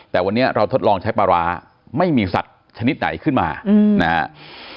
แต่วันนี้เราทดลองใช้ปลาร้าไม่มีสัตว์ชนิดไหนขึ้นมานะครับ